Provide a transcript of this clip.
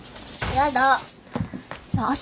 やだ。